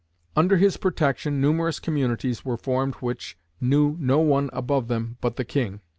Under his protection numerous communities were formed which knew no one above them but the king.